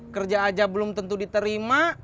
kerja aja belum tentu diterima